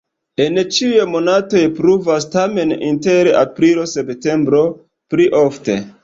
En ĉiuj monatoj pluvas, tamen inter aprilo-septembro pli ofte.